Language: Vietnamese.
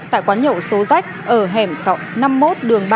tại quán nhậu xô rách ở hẻm sọ năm mươi một đường hai